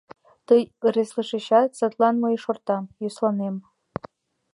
Тый ыреслышычат, садлан мый шортам, йӧсланем.